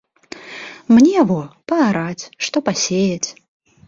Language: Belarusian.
Мне во паараць, што пасеяць.